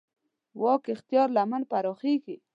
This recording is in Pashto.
واک اختیار لمن پراخېږي.